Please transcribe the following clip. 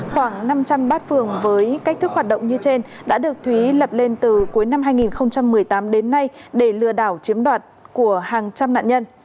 khoảng năm trăm linh bát phường với cách thức hoạt động như trên đã được thúy lập lên từ cuối năm hai nghìn một mươi tám đến nay để lừa đảo chiếm đoạt của hàng trăm nạn nhân